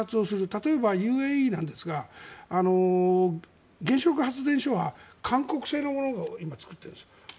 例えばＵＡＥなんですが原子力発電所は韓国製のものを今、作っているんです。